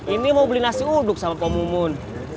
ini mau beli nasi uduk sama pak mumun